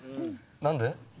何で？